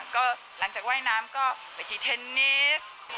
ก็หลังจากว่ายน้ำก็ไปที่เทนนิส